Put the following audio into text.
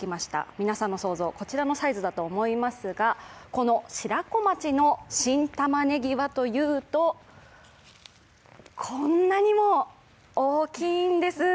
皆さんの想像、こちらのサイズだと思いますがこの白子町の新玉ねぎはといいますと、こんなにも大きいんです。